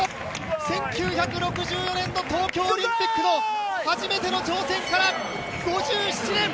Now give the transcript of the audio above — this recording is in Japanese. １９６４年の東京オリンピックの初めての挑戦から５７年！